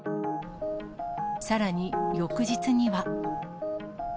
さらに、翌日には。